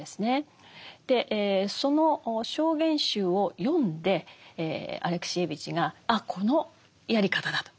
その証言集を読んでアレクシエーヴィチがああこのやり方だと。